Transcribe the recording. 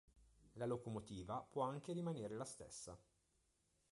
La locomotiva può anche rimanere la stessa.